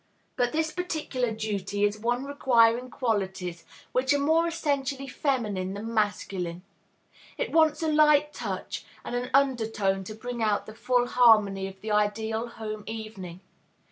But this particular duty is one requiring qualities which are more essentially feminine than masculine. It wants a light touch and an undertone to bring out the full harmony of the ideal home evening.